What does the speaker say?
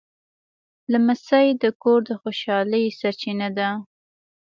لمسی د کور د خوشحالۍ سرچینه ده.